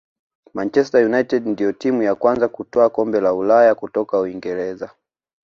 manchester united ndiyo timu ya kwanza kutwaa kombe la ulaya kutoka uingereza